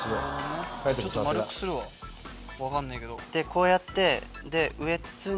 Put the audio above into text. こうやって。